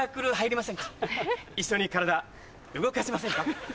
一緒に体動かしませんか？